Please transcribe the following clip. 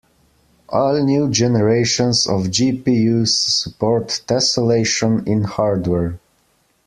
All new generations of GPUs support tesselation in hardware.